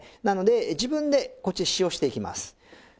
なので自分でこっちへ塩していきます。